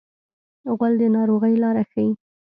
غول د ناروغۍ لاره ښيي.